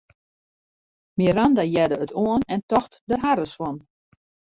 Miranda hearde it oan en tocht der harres fan.